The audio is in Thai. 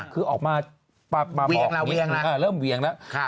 คือออกมาบอกเริ่มเวียงแล้ว